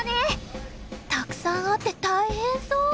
たくさんあって大変そう！